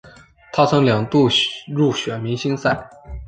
他曾两度入选明星赛。